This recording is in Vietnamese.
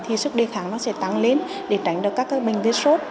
thì sức đề kháng nó sẽ tăng lên để tránh được các bệnh về sốt